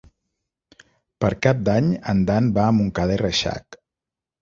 Per Cap d'Any en Dan va a Montcada i Reixac.